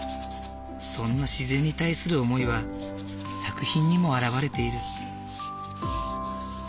そんな自然に対する思いは作品にも表れている。